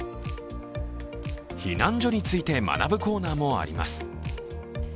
避難所について学ぶコーナーもあります。